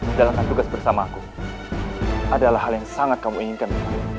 menjalankan tugas bersamaku adalah hal yang sangat kamu inginkan